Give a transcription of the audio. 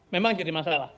memang jadi masalah